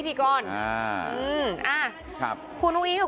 คุณวราวุฒิศิลปะอาชาหัวหน้าภักดิ์ชาติไทยพัฒนา